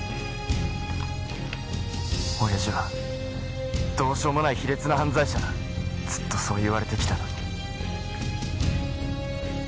親父はどうしようもない卑劣な犯罪者だずっとそう言われてきたのに。